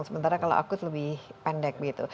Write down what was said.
sementara kalau akut lebih pendek begitu